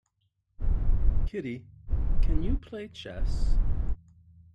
Kitty, can you play chess?